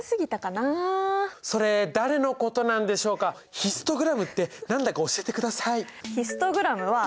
ヒストグラムって何だか教えてください。